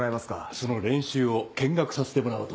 その練習を見学させてもらおうと。